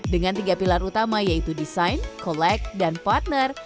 dengan tiga pilar utama yaitu desain collect dan partner